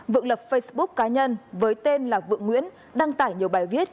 vượng lập facebook cá nhân với tên là vượng nguyễn đăng tải nhiều bài viết